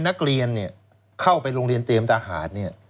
รับแค่ร้อยห้าสิบร้อยแปดสิบ